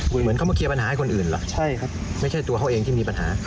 เขามาเคลียร์ปัญหาให้คนอื่นหรือไม่ใช่ตัวเขาเองที่มีปัญหา